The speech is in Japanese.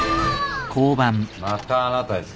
またあなたですか。